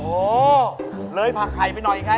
โอ้โหเลยผักไข่ไปหน่อยไง